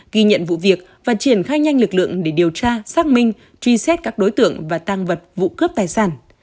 ghi nhận vụ việc và triển khai nhanh lực lượng để điều tra xác minh truy xét các đối tượng và tăng vật vụ cướp tài sản